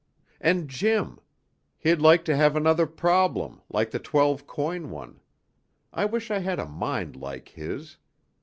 "And Jim. He'd like to have another problem, like the twelve coin one. I wish I had a mind like his.